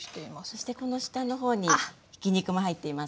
そしてこの下の方にひき肉も入っていますね。